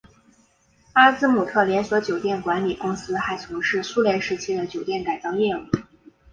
阿兹姆特连锁酒店管理公司还从事苏联时期的酒店改造业务。